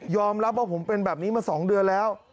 รับว่าผมเป็นแบบนี้มา๒เดือนแล้ว